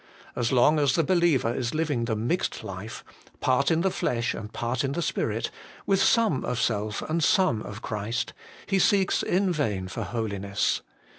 As long as the believer is living the mixed life, part in the flesh and part in the spirit, with some of self and some of Christ, he seeks in vain for holiness.